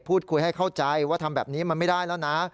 พูดคุยให้เข้าใจว่าทำแบบนี้มันไม่ได้แล้วนะ